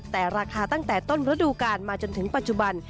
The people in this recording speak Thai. แต่ราคาตั้งแต่ต้นฤดูกาลมาจนถึงปัจจุบัน